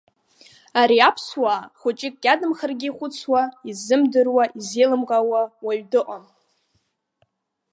Ари аԥсуаа, хәыҷык иадамхаргьы ихәыцуа, иззымдыруа, иззеилымкаауа уаҩ дыҟам.